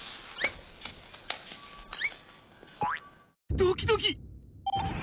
ドキドキ。